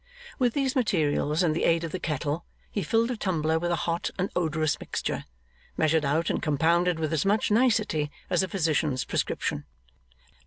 With these materials and the aid of the kettle, he filled a tumbler with a hot and odorous mixture, measured out and compounded with as much nicety as a physician's prescription.